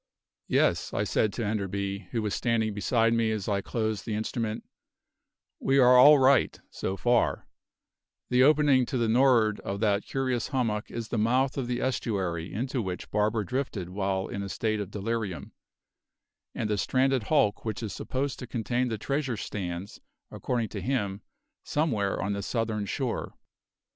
"Yes," I said to Enderby, who was standing beside me as I closed the instrument, "we are all right so far; the opening to the nor'ard of that curious hummock is the mouth of the estuary into which Barber drifted while in a state of delirium, and the stranded hulk which is supposed to contain the treasure stands, according to him, somewhere on the southern shore.